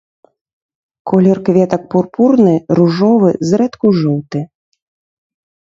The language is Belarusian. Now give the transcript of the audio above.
Колер кветак пурпурны, ружовы, зрэдку жоўты.